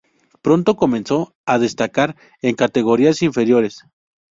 Pronto comenzó a destacar en categorías inferiores.